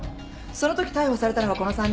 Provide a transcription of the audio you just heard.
そのとき逮捕されたのがこの３人。